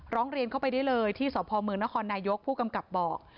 ร้องเรียนเข้าไปได้เลยที่สพเมืองนครนายกผู้กำกับบอก